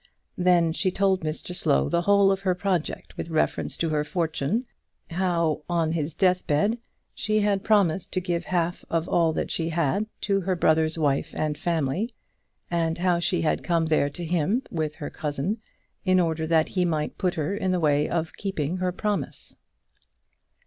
Then she told Mr Slow the whole of her project with reference to her fortune; how, on his death bed, she had promised to give half of all that she had to her brother's wife and family, and how she had come there to him, with her cousin, in order that he might put her in the way of keeping her promise.